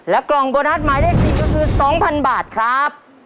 และกล่องโบนัสหมายได้สิ่งก็คือ๒๐๐๐บาทครับ